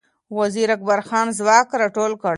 وزیر اکبرخان ځواک را ټول کړ